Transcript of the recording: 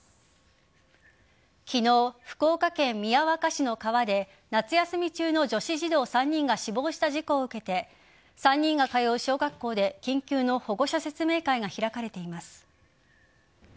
昨日、福岡県宮若市の川で夏休み中の女子児童３人が死亡した事故を受けて３人が通う小学校で緊急の保護者説明会が開かれています。